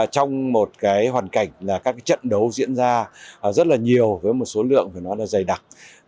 trong một hoàn cảnh là các trận đấu diễn ra rất là nhiều với một số lượng dày đặc